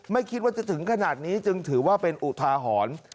ไม่คิดว่าจะถึงขนาดนี้จึงถือว่าเป็นอุทาหรณ์